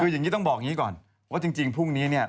คืออย่างนี้ต้องบอกอย่างนี้ก่อนว่าจริงพรุ่งนี้เนี่ย